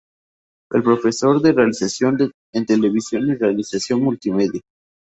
Es profesor de realización en televisión y realización multimedia.